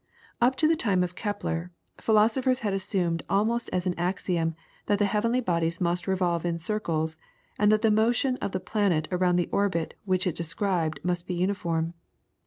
Up to the time of Kepler, philosophers had assumed almost as an axiom that the heavenly bodies must revolve in circles and that the motion of the planet around the orbit which it described must be uniform.